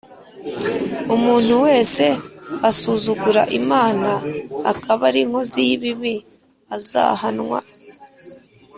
umuntu wese asuzugura Imana akaba ari inkozi y ibibi azahanwa